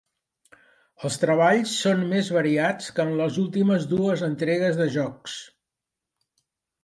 Els treballs són més variats que en les últimes dues entregues de jocs.